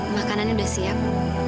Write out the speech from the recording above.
makanannya sudah siap